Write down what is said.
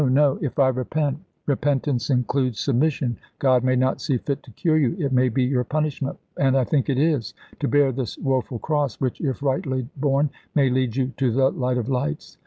no! If I repent " "Repentance includes submission. God may not see fit to cure you; it may be your punishment and I think it is to bear this woeful cross, which if rightly borne may lead you to the light of lights.